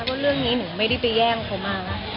เพราะเรื่องนี้หนูไม่ได้ไปแย่งเขามา